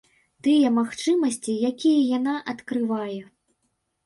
Тыя магчымасці, якія яна адкрывае.